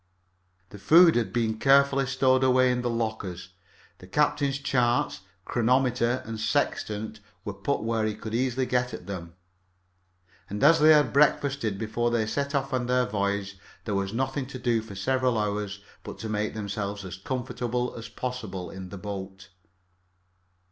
The food had been carefully stowed away in the lockers, the captain's charts, chronometer and sextant were put where he could easily get at them, and as they had breakfasted before they set off on their voyage, there was nothing to do for several hours but to make themselves as comfortable as possible in the boat.